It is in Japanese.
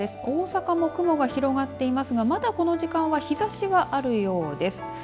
大阪も雲が広がっていますがまだ、この時間は日ざしはあるようです。